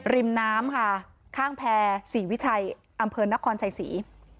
ริมน้ำค่ะข้างแพร่ศรีวิชัยอำเภอนครชัยศรี